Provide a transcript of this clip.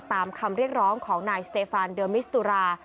ตามคำเรียกร้องของนายสเตฟานเดอร์มิสตุรา